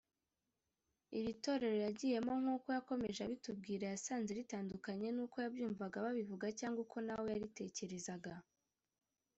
Iri torero yagiyemo nk'uko yakomeje abitubwira yasanze ritandukanye ni uko yabyumvaga babivuga cyangwa uko nawe yaritekerezaga